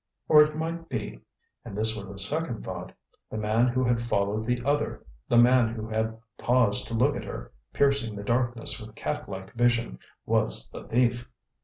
Or it might be and this was a second thought the man who had followed the other, the man who had paused to look at her, piercing the darkness with cat like vision, was the thief.